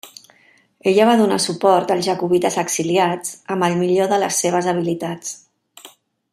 Ella va donar suport als jacobites exiliats amb el millor de les seves habilitats.